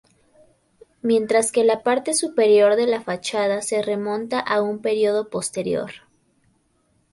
Mientras que la parte superior de la fachada se remonta a un período posterior.